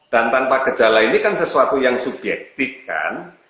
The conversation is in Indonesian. dan tanpa gejala ini kan sesuatu yang subjektif kan